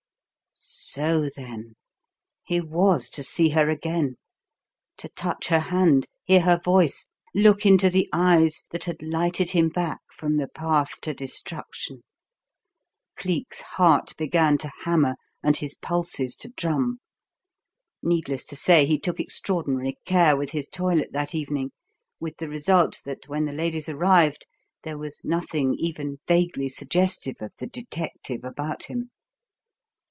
So, then, he was to see her again, to touch her hand, hear her voice, look into the eyes that had lighted him back from the path to destruction! Cleek's heart began to hammer and his pulses to drum. Needless to say, he took extraordinary care with his toilet that evening, with the result that when the ladies arrived there was nothing even vaguely suggestive of the detective about him.